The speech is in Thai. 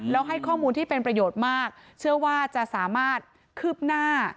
แล้วให้ข้อมูลที่เป็นประโยชน์มากเชื่อว่าจะสามารถคืบหน้า